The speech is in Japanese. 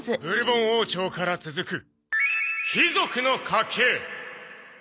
ブルボン王朝から続く貴族の家系！